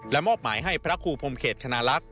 มอบหมายให้พระครูพรมเขตคณลักษณ